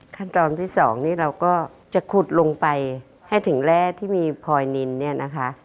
ขั้นตอนที่สองนี้เราก็จะขุดลงไปให้ถึงแร่ที่มีพลอยนินเนี่ยนะคะ